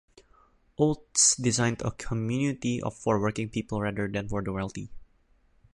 Olds designed a community for working people rather than for the wealthy.